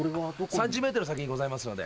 ３０ｍ先にございますので。